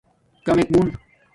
کمک مون